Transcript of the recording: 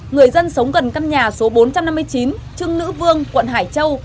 người dân sống gần căn nhà số bốn trăm năm mươi chín trưng nữ vương quận hải châu